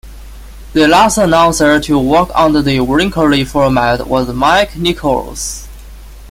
The last announcer to work under the "Wrinkly" format was Mike Nicholls.